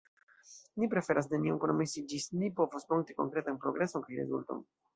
Ni preferas nenion promesi ĝis ni povos montri konkretan progreson kaj rezultojn.